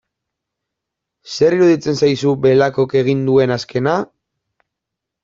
Zer iruditzen zaizu Belakok egin duen azkena?